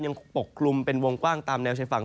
ยังปกกลุ่มเป็นวงกว้างตามแนวใช้ฝั่ง